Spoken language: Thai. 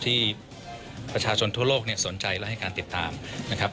ที่ประชาชนทั่วโลกสนใจและให้การติดตามนะครับ